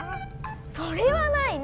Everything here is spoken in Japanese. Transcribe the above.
それはないない！